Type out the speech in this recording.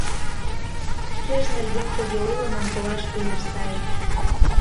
Шкеж нерген тыге ойлымым колаш пеш сай.